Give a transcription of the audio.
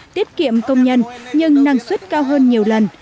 tiết kiệm công nhân nhưng năng suất cao hơn nhiều lần